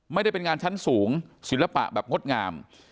ไม่ได้เป็นงานชั้นสูงศิลปะแบบงดงาม